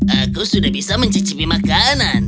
aku sudah bisa mencicipi makanan